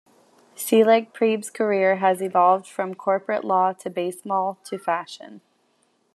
Selig-Prieb's career has evolved from corporate law to baseball to fashion.